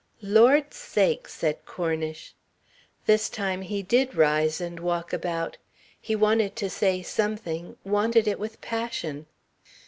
"Lord sakes!" said Cornish. This time he did rise and walk about. He wanted to say something, wanted it with passion.